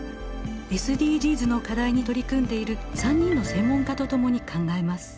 ＳＤＧｓの課題に取り組んでいる３人の専門家と共に考えます。